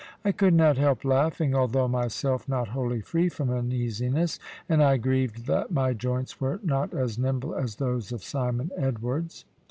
I could not help laughing, although myself not wholly free from uneasiness; and I grieved that my joints were not as nimble as those of Simon Edwards.